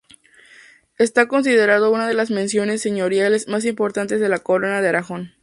Está considerado una de las mansiones señoriales más importantes de la Corona de Aragón.